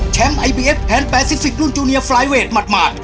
แชมป์ไอบีเอฟแผนแปซิฟิกรุ่นจูเนียไฟเวทหมาดหมาด